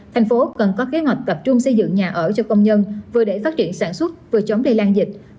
thành phố cần có kế hoạch tập trung xây dựng nhà ở cho công nhân vừa để phát triển sản xuất vừa chống lây lan dịch